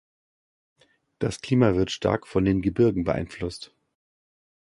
Das Klima wird stark von den Gebirgen beeinflusst.